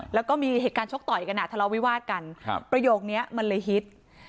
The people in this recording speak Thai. แล้วก็มีเหตุการณ์ชกต่อยกันอ่ะทะเลาวิวาสกันประโยคนี้มันเลยฮิต